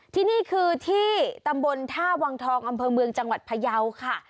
ที่นี่คือที่ตำบลท่าวังทองอำเภอเมืองจังหวัดพยาวค่ะ